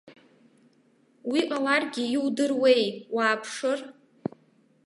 Уи ҟаларгьы иудыруеи, уааԥшыр.